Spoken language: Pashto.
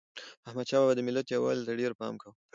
احمدشاه بابا د ملت یووالي ته ډېر پام کاوه.